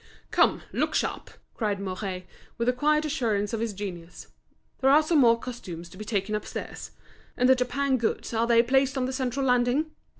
"Come, look sharp!" cried Mouret, with the quiet assurance of his genius. "There are some more costumes to be taken upstairs. And the Japan goods, are they placed on the central landing?